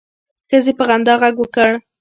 ښځې په خندا غږ وکړ.